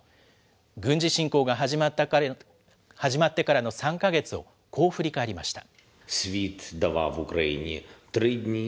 軍事侵攻が始まってからの３か月を、こう振り返りました。